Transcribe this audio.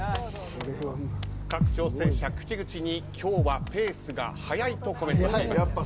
各挑戦者、口々に今日はペースが速いとコメントしています。